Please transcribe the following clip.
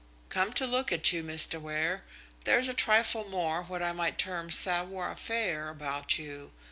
Come to look at you, Mr. Ware, there's a trifle more what I might term savoir faire, about you.